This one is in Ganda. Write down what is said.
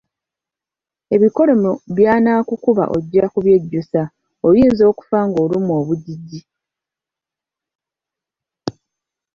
Ebikolimo byanaakukuba ojja kubyejjusa oyinza okufa ng'olumwa obugigi.